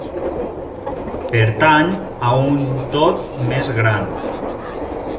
Pertany a un tot més gran